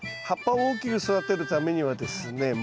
葉っぱを大きく育てるためにはですね